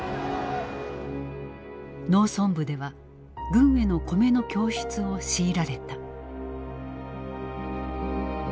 農村部では軍への米の供出を強いられた。